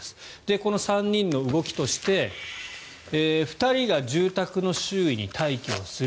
この３人の動きとして２人が住宅の周囲に待機をする。